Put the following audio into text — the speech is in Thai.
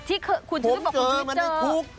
ที่คุณชีวิตบอกว่าคุณชีวิตเจอ